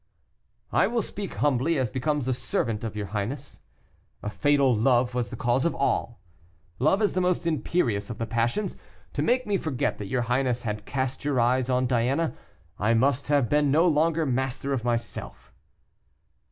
"I will speak humbly, as becomes the servant of your highness. A fatal love was the cause of all. Love is the most imperious of the passions. To make me forget that your highness had cast your eyes on Diana, I must have been no longer master of myself."